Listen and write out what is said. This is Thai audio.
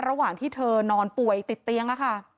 ระหว่างที่เธอนอนป่วยติดเตียงค่ะ